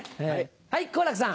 はい好楽さん。